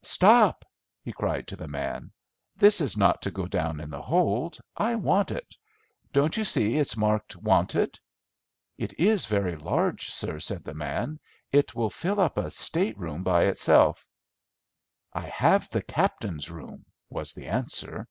"Stop!" he cried to the man, "that is not to go down in the hold; I want it. Don't you see it's marked 'wanted?'" "It is very large, sir," said the man; "it will fill up a state room by itself." "I have the captain's room," was the answer.